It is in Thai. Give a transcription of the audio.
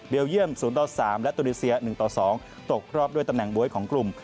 เยี่ยม๐ต่อ๓และตูดิเซีย๑ต่อ๒ตกรอบด้วยตำแหน่งบ๊วยของกลุ่ม